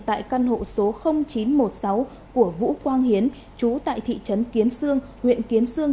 tại căn hộ số chín trăm một mươi sáu của vũ quang hiến chú tại thị trấn kiến sương huyện kiến sương